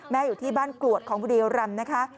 แม่อยู่ที่บ้านกรวดของบุรีรัมน์นะคะ